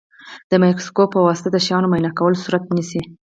د مایکروسکوپ په واسطه د شیانو معاینه کول صورت نیسي.